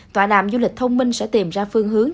tòa đàm du lịch thông minh sẽ tìm ra phương hướng